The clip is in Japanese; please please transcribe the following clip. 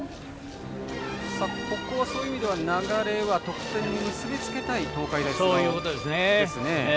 ここはそういう意味では流れは得点に結び付けたい東海大菅生ですね。